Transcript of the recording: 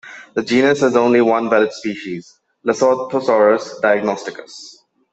The genus has only one valid species, Lesothosaurus diagnosticus.